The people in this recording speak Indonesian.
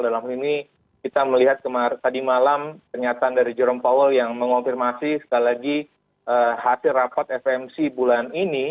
dalam ini kita melihat tadi malam pernyataan dari jerome powell yang mengonfirmasi sekali lagi hasil rapat fomc bulan ini